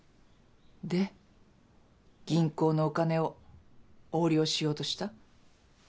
で銀行のお金を横領しようとした？